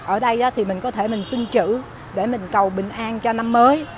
ở đây thì mình có thể mình xin chữ để mình cầu bình an cho năm mới